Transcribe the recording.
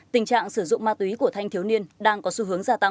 tình trạng sử dụng ma túy của thanh thiếu niên đang có xu hướng gia tăng